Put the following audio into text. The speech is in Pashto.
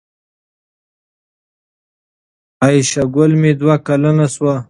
عایشه ګل مې دوه کلنه شو